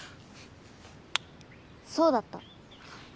そうだった！